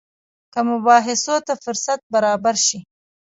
که مباحثو ته فرصت برابر شي.